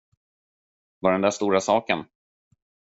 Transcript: Vad är den där stora saken?